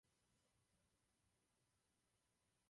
Některé z jeho prací jsou zařazovány do science fiction.